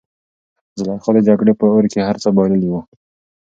زلیخا د جګړې په اور کې هر څه بایللي وو.